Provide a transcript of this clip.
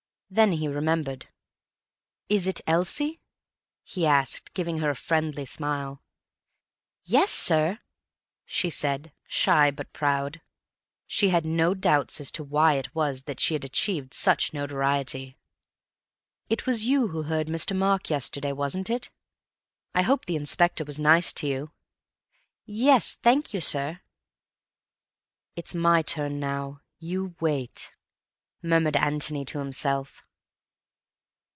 Then he remembered. "Is it Elsie?" he asked, giving her a friendly smile. "Yes, sir," she said, shy but proud. She had no doubts as to why it was that she had achieved such notoriety. "It was you who heard Mr. Mark yesterday, wasn't it? I hope the inspector was nice to you?" "Yes, thank you, sir." "'It's my turn now. You wait,'" murmured Antony to himself.